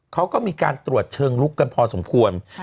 เขาก็มีการตรวจเชิงลุกกันพอสมควร